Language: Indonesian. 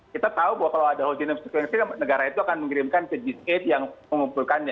kita tahu bahwa kalau ada whole genome sequencing negara itu akan mengirimkan ke g delapan yang mengumpulkannya